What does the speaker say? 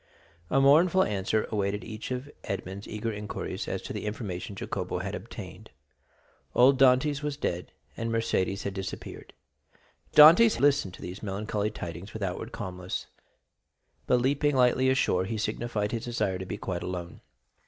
A mournful answer awaited each of Edmond's eager inquiries as to the information Jacopo had obtained. Old Dantès was dead, and Mercédès had disappeared. Dantès listened to these melancholy tidings with outward calmness; but, leaping lightly ashore, he signified his desire to be quite alone.